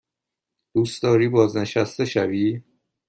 دوست داری بازنشسته شوی؟